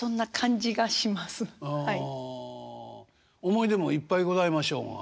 思い出もいっぱいございましょうが。